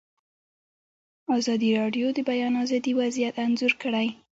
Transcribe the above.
ازادي راډیو د د بیان آزادي وضعیت انځور کړی.